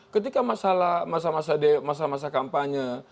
ketika masalah masa masa kampanye